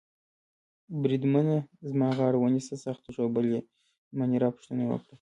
بریدمنه زما غاړه ونیسه، سخت ژوبل يې؟ مانیرا پوښتنه وکړه.